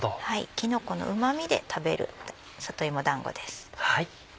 きのこのうま味で食べる里芋だんごです。